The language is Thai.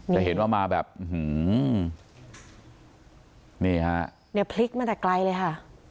จะเห็นว่ามาแบบอื้อหือนี่ฮะเนี่ยพลิกมาแต่ไกลเลยค่ะ